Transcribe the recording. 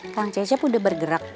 kang cecep udah bergerak